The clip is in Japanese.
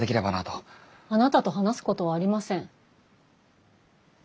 あなたと話すことはありません。